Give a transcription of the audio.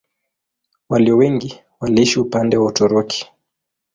Walio wengi waliishi upande wa Uturuki.